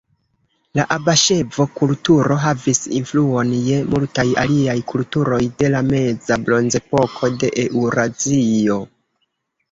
La abaŝevo-kulturo havis influon je multaj aliaj kulturoj de la Meza Bronzepoko de Eŭrazio.